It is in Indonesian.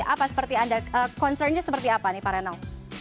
apa seperti anda concernnya seperti apa nih pak reno